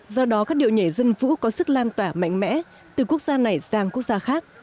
do đó các điệu nhảy dân vũ có sức lan tỏa mạnh mẽ từ quốc gia này sang quốc gia khác